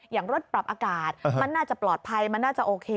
อย่างรถปรับอากาศมันน่าจะปลอดภัยมันน่าจะโอเค